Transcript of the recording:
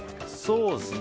そうですね。